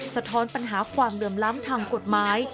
สะท้อนปัญหาความเหลื่อมล้ำทางกฎหมาย